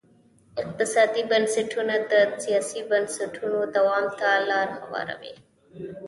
اقتصادي بنسټونه د سیاسي بنسټونو دوام ته لار هواروي.